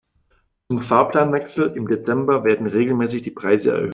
Zum Fahrplanwechsel im Dezember werden regelmäßig die Preise erhöht.